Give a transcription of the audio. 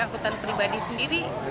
angkutan pribadi sendiri